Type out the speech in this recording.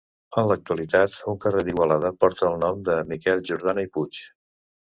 En l'actualitat, un carrer d'Igualada porta el nom de Miquel Jordana i Puig.